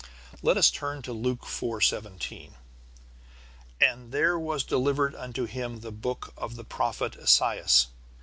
Let us turn to Luke iv. 17. "And there was delivered unto him the book of the prophet Esaias.